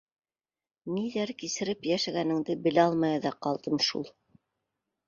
Ниҙәр кисереп йәшәгәнеңде белә алмай ҙа ҡалдым шул...